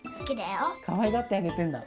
かわいがってあげてんだ。